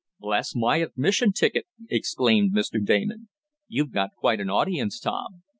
"Bless my admission ticket!" exclaimed Mr. Damon. "You've got quite an audience, Tom."